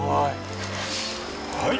はい。